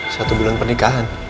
satu bulan pernikahan